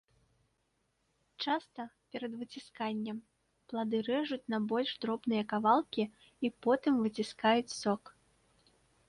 Часта, перад выцісканнем, плады рэжуць на больш дробныя кавалкі і потым выціскаюць сок.